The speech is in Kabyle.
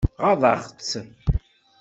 Ɣaḍeɣ-tt?